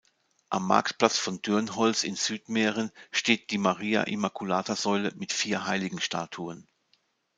Am Marktplatz von Dürnholz in Südmähren steht die Maria-Immaculata-Säule mit vier Heiligenstatuen.